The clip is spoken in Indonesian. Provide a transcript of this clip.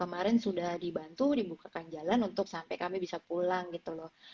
kemarin sudah dibantu dibukakan jalan untuk sampai kami bisa pulang gitu loh